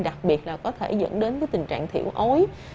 đặc biệt là có thể dẫn đến tình trạng thiểu ối